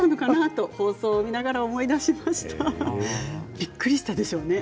びっくりしたでしょうね